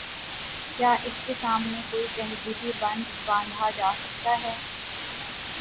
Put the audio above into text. کیا اس کے سامنے کوئی تہذیبی بند باندھا جا سکتا ہے؟